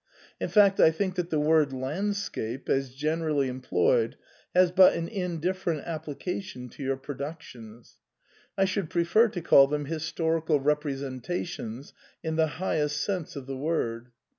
In fact, I think that the word * landscape,' as generally employed, has but an indiflferent applica tion to your productions ; I should prefer to call them historical representations in the highest sense of the Word.